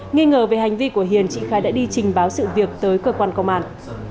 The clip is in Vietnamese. nghi ngờ về hành vi của hiền chị khai đã đi trình báo sự việc tới cơ quan công an